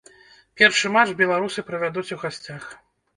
Першы матч беларусы правядуць у гасцях.